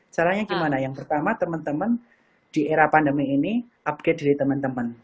caranya gimana yang pertama teman teman di era pandemi ini update dari teman teman